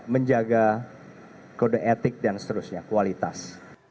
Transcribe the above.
menjaga kode etik dan seterusnya kualitas